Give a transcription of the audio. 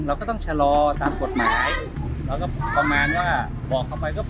เราก็ต้องชะลอตามกฎหมายเราก็ประมาณว่าบอกเข้าไปก็